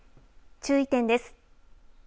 注意点です。